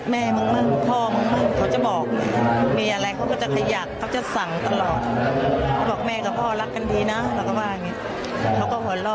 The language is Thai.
มาย้าไปป้อนพ่อแล้วพ่อก็แบบให้แม่มาก